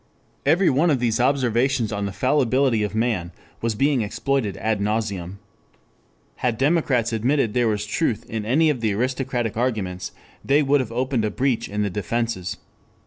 Every one of these observations on the fallibility of man was being exploited ad nauseam. Had democrats admitted there was truth in any of the aristocratic arguments they would have opened a breach in the defenses.